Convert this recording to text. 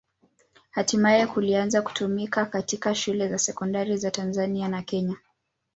Hatimaye kilianza kutumika katika shule za sekondari za Tanzania na Kenya.